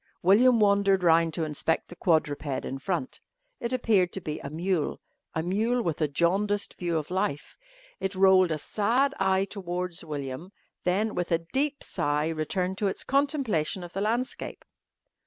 William wandered round to inspect the quadruped in front. It appeared to be a mule a mule with a jaundiced view of life. It rolled a sad eye towards William, then with a deep sigh returned to its contemplation of the landscape.